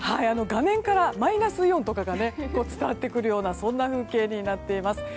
画面からマイナスイオンとかが伝わってくるようなそんな風景になっています。